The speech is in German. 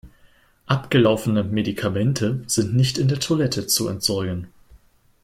Abgelaufene Medikamente sind nicht in der Toilette zu entsorgen.